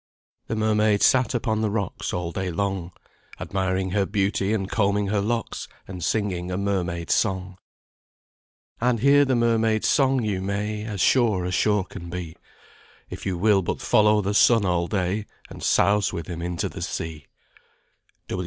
"The mermaid sat upon the rocks All day long, Admiring her beauty and combing her locks, And singing a mermaid song. "And hear the mermaid's song you may, As sure as sure can be, If you will but follow the sun all day, And souse with him into the sea."